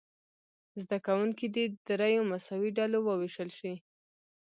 زده کوونکي دې دریو مساوي ډلو وویشل شي.